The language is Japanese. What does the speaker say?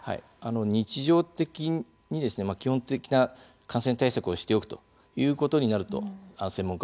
日常的に、基本的な感染対策をしておくということになると専門家は指摘しています。